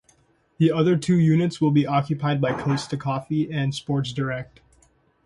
The other two units will be occupied by Costa Coffee and Sports Direct.